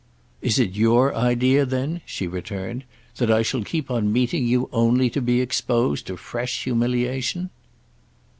"Is it your idea then," she returned, "that I shall keep on meeting you only to be exposed to fresh humiliation?"